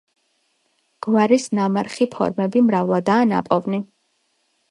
გვარის ნამარხი ფორმები მრავლადაა ნაპოვნი.